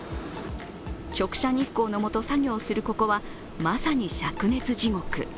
直射日光のもと作業をするここはまさにしゃく熱地獄。